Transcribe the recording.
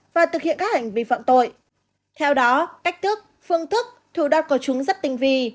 và thực hiện các hành vi phạm tội theo đó cách thức phương thức thủ đoạn của chúng rất tinh vi